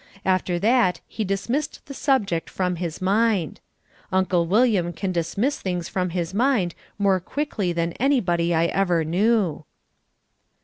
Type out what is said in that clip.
After that he dismissed the subject from his mind. Uncle William can dismiss things from his mind more quickly than anybody I ever knew.